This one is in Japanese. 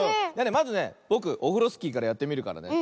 まずねぼくオフロスキーからやってみるからね。